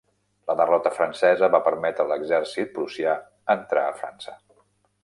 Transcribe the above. La derrota francesa va permetre a l'exèrcit prussià entrar a França.